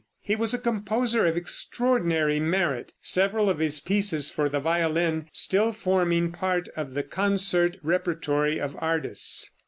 He was a composer of extraordinary merit, several of his pieces for the violin still forming part of the concert repertory of artists.